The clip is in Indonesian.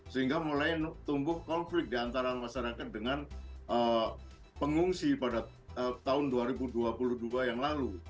sehingga mulai tumbuh konflik diantara masyarakat dengan pengungsi pada tahun dua ribu dua puluh dua yang lalu